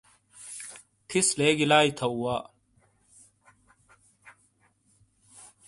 ٹھیس لیگی لائی تھو وا۔